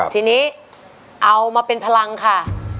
ทีนี้เอามาเป็นพลังค่ะ